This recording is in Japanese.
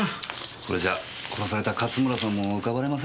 これじゃ殺された勝村さんも浮かばれませんよね。